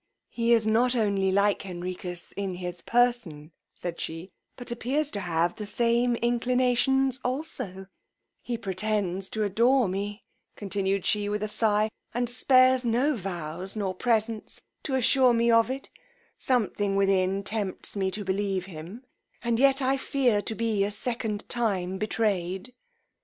He is not only like Henricus in his person, said she, but appears to have the same inclinations also: he pretends to adore me, continued she with a sigh, and spares no vows nor presents to assure me of it: something within tempts me to believe him, and yet I fear to be a second time betrayed.